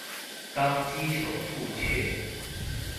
当赍首赴阙。